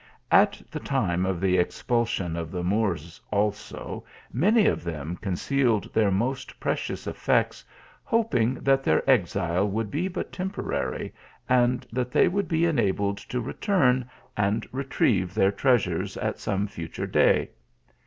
At the time of the expulsion of the Moors, also, many of them concealed their most precious effects, hoping that their exile would be but temporary, and that they would be enabled to return and retrieve their treasures at some future day.